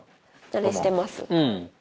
慣れしてます。